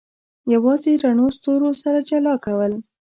یوازې رڼو ستورو سره جلا کول.